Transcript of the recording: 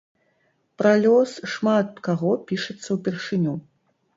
Пра лёс шмат каго пішацца ўпершыню.